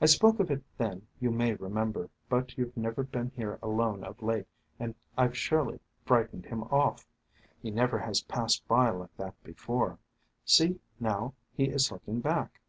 I spoke of it then, you may remember, but you 've never been here alone of late, and I 've surely frightened him off. He never has passed by like that before. See, now, he is looking back."